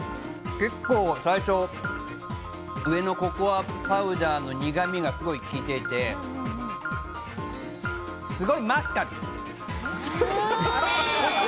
結構最初、上のココアパウダーの苦味が効いていて、すごいマスカル！